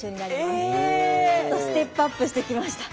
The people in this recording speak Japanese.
ちょっとステップアップしてきました。